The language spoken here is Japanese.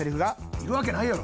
「いるわけないやろ」。